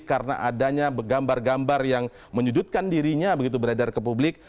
karena adanya gambar gambar yang menyudutkan dirinya begitu beredar ke publik